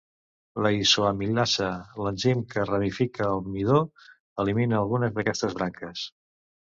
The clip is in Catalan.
La isoamilasa, l'enzim que ramifica el midó, elimina algunes d'aquestes branques.